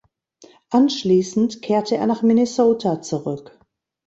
Anschließend kehrte er nach Minnesota zurück.